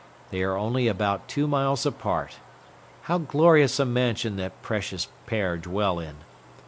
They are only about two miles apart. How glorious a mansion that precious pair dwell in!